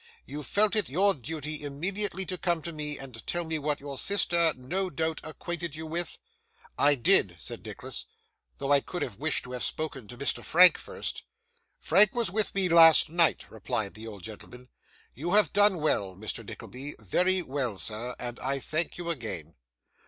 'You felt it your duty immediately to come to me, and tell me what your sister no doubt acquainted you with?' 'I did,' said Nicholas, 'though I could have wished to have spoken to Mr Frank first.' 'Frank was with me last night,' replied the old gentleman. 'You have done well, Mr. Nickleby very well, sir and I thank you again.